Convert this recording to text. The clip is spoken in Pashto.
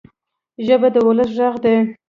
ژبه د ولس ږغ دی.